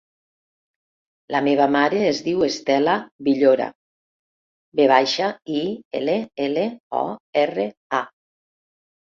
La meva mare es diu Estela Villora: ve baixa, i, ela, ela, o, erra, a.